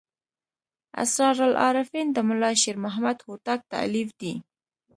اسرار العارفین د ملا شیر محمد هوتک تألیف دی.